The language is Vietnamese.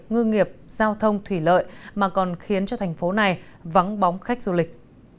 ngư nghiệp giao thông thủy lợi mà còn khiến cho thành phố này vắng bóng khách du lịch